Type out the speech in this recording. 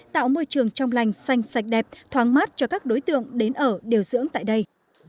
tạo môi trường trong lành xanh sạch đẹp thoáng mát cho các đối tượng đến ở điều dưỡng tại đây